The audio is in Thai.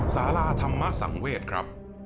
สาราธรรมสังเวศครับ